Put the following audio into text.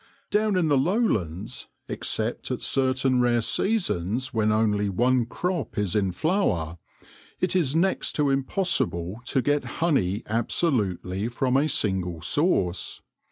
Down in the lowlands, except at certain rare seasons when only one crop is in flower, it is next to impossible to get honey absolutely from a single source.